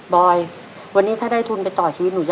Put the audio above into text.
บอยวันนี้ถ้าได้ทุนไปต่อชีวิตหนูจะ